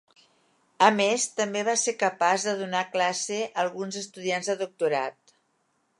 A més, també va ser capaç de donar classe a alguns estudiants de doctorat.